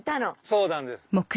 そうなんです。